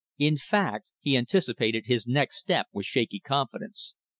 In fact, he anticipated his next step with shaky confidence.